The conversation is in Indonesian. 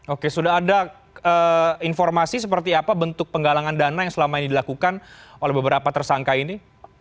oke sudah ada informasi seperti apa bentuk penggalangan dana yang selama ini dilakukan oleh beberapa tersangka ini